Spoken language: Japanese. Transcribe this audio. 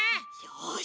よし！